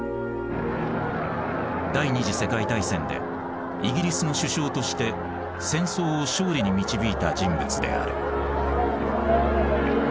第二次世界大戦でイギリスの首相として戦争を勝利に導いた人物である。